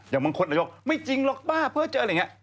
อย่างบางคนนายกไม่จริงหรอกบ้าเพ้อเจออะไรอย่างนี้